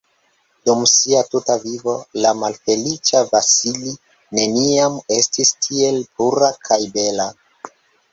Dum sia tuta vivo, la malfeliĉa Vasili neniam estis tiel pura kaj bela.